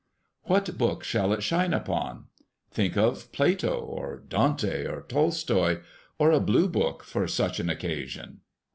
What book shall it shine upon? Think of Plato, or Dante, or Tolstoy, or a Blue Book for such an occasion!